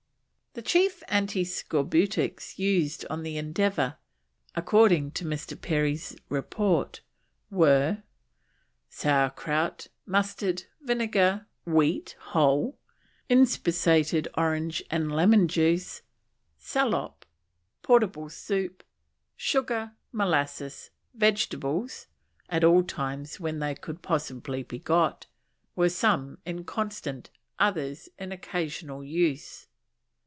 The chief anti scorbutics used on the Endeavour, according to Mr. Perry's report, were: "Sour Kraut, Mustard, Vinegar, Wheat (whole), Inspissated Orange and Lemon juice, Saloup, Portable Soup, Sugar, Molasses, Vegetables (at all times when they could possibly be got), were some in constant, others in occasional use."